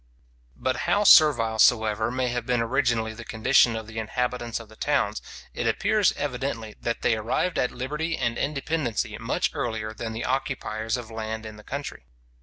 } But how servile soever may have been originally the condition of the inhabitants of the towns, it appears evidently, that they arrived at liberty and independency much earlier than the occupiers of land in the country.